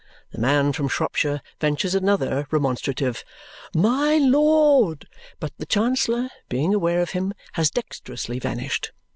The man from Shropshire ventures another remonstrative "My lord!" but the Chancellor, being aware of him, has dexterously vanished.